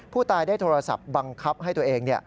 ผู้ตายได้โทรศัพท์บังคับให้ตัวเอง